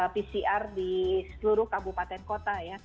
pcr di seluruh kabupaten kota ya